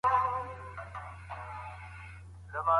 نجوني د کورنيو شخړو مه قرباني کوئ.